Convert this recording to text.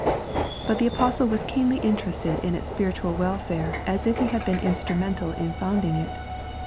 But the Apostle was as keenly interested in its spiritual welfare as if he had been instrumental in founding it.